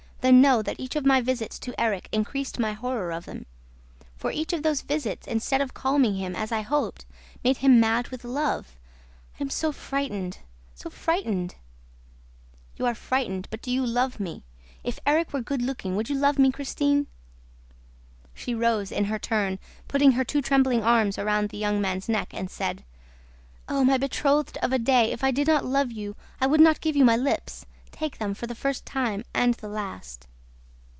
... Then know that each of my visits to Erik increased my horror of him; for each of those visits, instead of calming him, as I hoped, made him mad with love! And I am so frightened, so frightened! ..." "You are frightened ... but do you love me? If Erik were good looking, would you love me, Christine?" She rose in her turn, put her two trembling arms round the young man's neck and said: "Oh, my betrothed of a day, if I did not love you, I would not give you my lips! Take them, for the first time and the last."